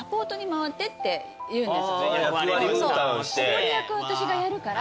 怒り役私がやるから。